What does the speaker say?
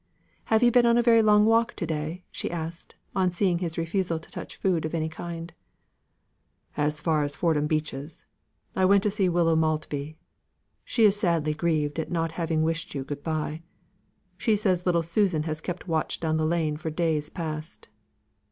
"Have you been a very long walk to day?" asked she, on seeing his refusal to touch food of any kind. "As far as Fordham Beeches. I went to see Widow Maltby; she is sadly grieved at not having wished you good bye. She says little Susan has kept watch down the lane for days past.